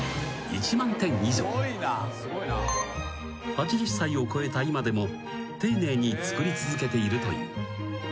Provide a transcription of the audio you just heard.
［８０歳を超えた今でも丁寧に作り続けているという］